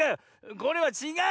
これはちがうのよ。